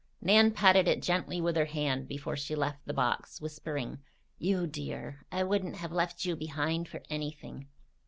Nan patted it gently with her hand before she left the box, whispering: "You dear! I wouldn't have left you behind for anything!